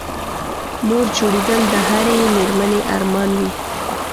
مور جوړېدل د هرې مېرمنې ارمان وي